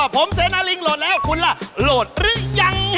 ผมเสนาลิงโหลดแล้วคุณล่ะโหลดหรือยัง